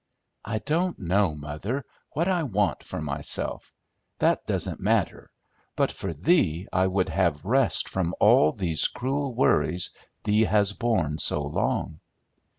"I don't know, mother, what I want for myself; that doesn't matter; but for thee I would have rest from all these cruel worries thee has borne so long."